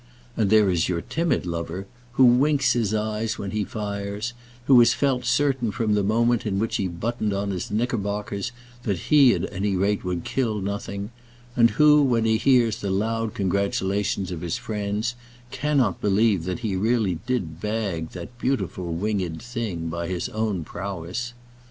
And there is your timid lover, who winks his eyes when he fires, who has felt certain from the moment in which he buttoned on his knickerbockers that he at any rate would kill nothing, and who, when he hears the loud congratulations of his friends, cannot believe that he really did bag that beautiful winged thing by his own prowess.